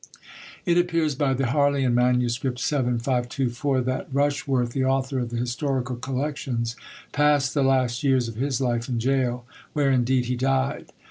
It appears by the Harleian MS. 7524, that Rushworth, the author of the "Historical Collections," passed the last years of his life in gaol, where indeed he died.